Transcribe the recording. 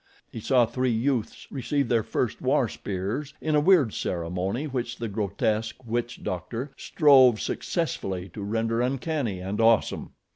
He saw three youths receive their first war spears in a weird ceremony which the grotesque witch doctor strove successfully to render uncanny and awesome.